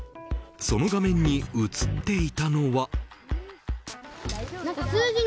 その画面に映っていたのは。